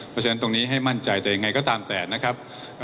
เพราะฉะนั้นตรงนี้ให้มั่นใจแต่ยังไงก็ตามแต่นะครับ